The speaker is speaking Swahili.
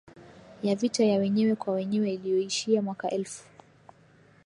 ya vita ya wenyewe kwa wenyewe iliyoishia mwaka elfu